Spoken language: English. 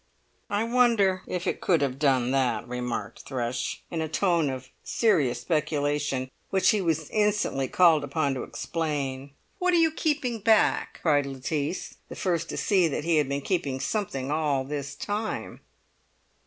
"I wonder if it could have done that," remarked Thrush, in a tone of serious speculation which he was instantly called upon to explain. "What are you keeping back?" cried Lettice, the first to see that he had been keeping something all this time.